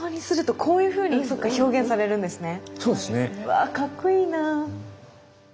わあかっこいいな。